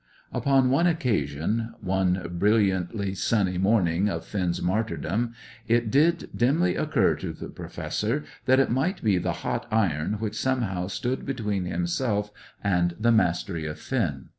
Upon one occasion one brilliantly sunny morning of Finn's martyrdom it did dimly occur to the Professor that it might be the hot iron which somehow stood between himself and the mastery of Finn.